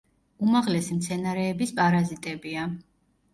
უმაღლესი მცენარეების პარაზიტებია.